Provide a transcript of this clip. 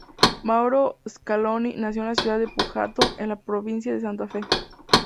Mauro Scaloni nació en la ciudad de Pujato, en la provincia de Santa Fe.